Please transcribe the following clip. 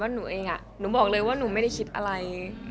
หนูบอกเลยว่าหนูไม่คิดอะไร